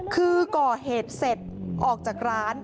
คือก่อเหตุเสร็จออกจากร้าน